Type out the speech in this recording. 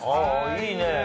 いいね！